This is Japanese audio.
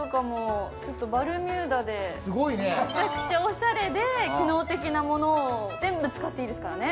めちゃくちゃおしゃれで機能的なものを全部つかっていいですからね。